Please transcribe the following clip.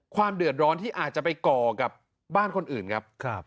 ความเดือดร้อนที่อาจจะไปก่อกับบ้านคนอื่นครับ